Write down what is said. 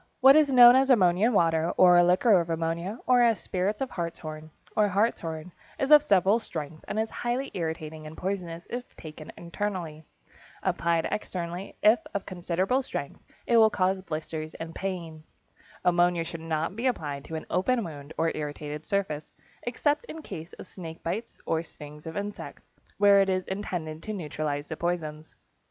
= What is known as ammonia water, or liquor of ammonia, or as spirits of hartshorn, or hartshorn, is of several strengths and is highly irritating and poisonous if taken internally. Applied externally, if of considerable strength, it will cause blisters and pain. Ammonia should not be applied to an open wound or irritated surface, except in case of snake bites or stings of insects, where it is intended to neutralize the poisons.